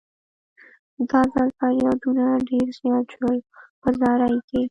دا ځل فریادونه ډېر زیات شول په زارۍ کې.